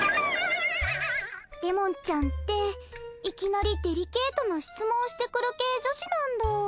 れもんちゃんっていきなりデリケートな質問してくる系女子なんだ。